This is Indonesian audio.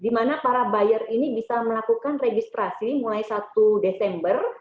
di mana para buyer ini bisa melakukan registrasi mulai satu desember